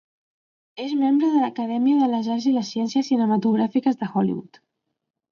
És membre de l'Acadèmia de les Arts i les Ciències Cinematogràfiques de Hollywood.